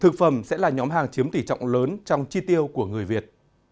thực phẩm sẽ là nhóm hàng chiếm tỷ trọng lớn trong chi tiêu của người việt